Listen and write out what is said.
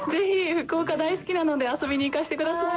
福岡大好きなので遊びに行かせてください。